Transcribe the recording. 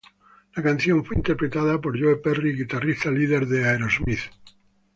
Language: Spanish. La canción fue interpretada por Joe Perry, guitarrista líder de Aerosmith.